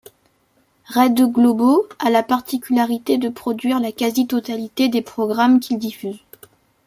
Rede Globo a la particularité de produire la quasi-totalité des programmes qu'il diffuse.